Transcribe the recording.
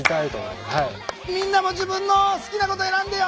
みんなも自分の好きなこと選んでよ！